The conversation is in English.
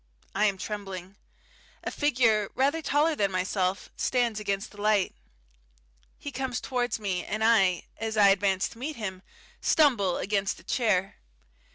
I am trembling. A figure rather taller than myself stands against the light. He comes towards me, and I, as I advance to meet him, stumble against a chair.